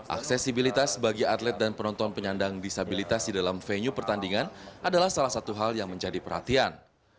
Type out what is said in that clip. aksesibilitas bagi atlet dan penonton penyandang disabilitas di dalam venue pertandingan adalah salah satu hal yang menjadi perhatian